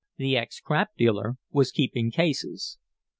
The ex crap dealer was keeping cases.